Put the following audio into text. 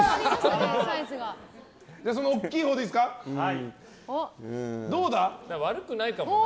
その大きいほうでいいですか。